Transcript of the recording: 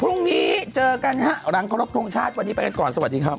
พรุ่งนี้เจอกันฮะหลังครบทรงชาติวันนี้ไปกันก่อนสวัสดีครับ